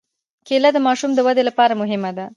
کېله د ماشوم د ودې لپاره مهمه ده.